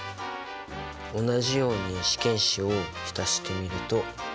同じように試験紙を浸してみると。